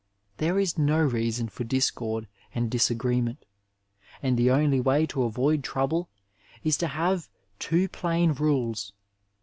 There is no reason for discord and disagreement, and the only way to avoid trouble is to have two plain rules.